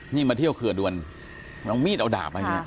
นี่มาเที่ยวเขื่อนด้วยน้องมีดเอาดาบไว้